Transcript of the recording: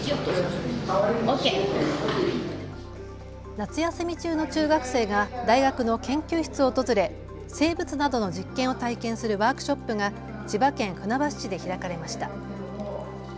夏休み中の中学生が大学の研究室を訪れ、生物などの実験を体験するワークショップが千葉県船橋市で開かれました。